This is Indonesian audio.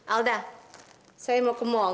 alda saya mau ke mall